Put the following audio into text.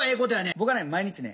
僕は毎日ね